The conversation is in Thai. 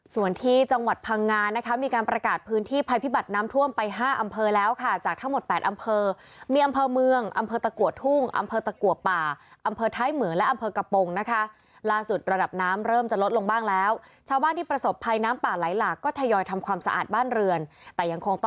ส่วนที่จังหวัดพังงานะคะมีการประกาศพื้นที่ภัยพิบัติน้ำท่วมไปห้าอำเภอแล้วค่ะจากทั้งหมด๘อำเภอมีอำเภอเมืองอำเภอตะกัวทุ่งอำเภอตะกัวป่าอำเภอท้ายเหมืองและอำเภอกระโปรงนะคะล่าสุดระดับน้ำเริ่มจะลดลงบ้างแล้วชาวบ้านที่ประสบภัยน้ำป่าไหลหลากก็ทยอยทำความสะอาดบ้านเรือนแต่ยังคงต